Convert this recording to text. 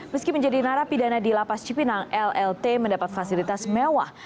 meski menjadi narapidana di lapas cipinang llt mendapat fasilitas mewah